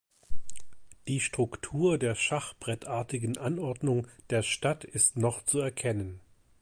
Die Struktur der schachbrettartigen Anordnung der Stadt ist noch zu erkennen.